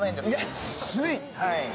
安い。